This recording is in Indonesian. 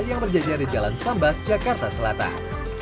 yang berjajar di jalan sambas jakarta selatan